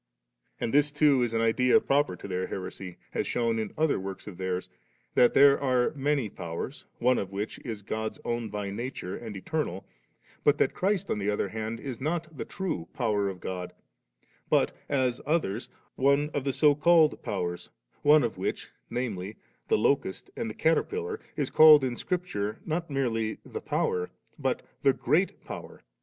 And this too is an idea proper to their heresy, as shewn in other works of tbdrs, that there are many powers ; one of which is God's own by nature and eternal ; but that Christ, on the other hand, is not the true power of God ; but, as others, one of the so called powers, one of which, namely, the locust and the caterpillar*, is called in Soripture, not merely the power, but the * great power.